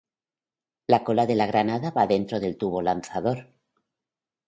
La cola de la granada va dentro del tubo lanzador.